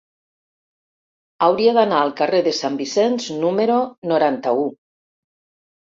Hauria d'anar al carrer de Sant Vicenç número noranta-u.